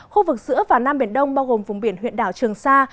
khu vực giữa và nam biển đông bao gồm vùng biển huyện đảo trường sa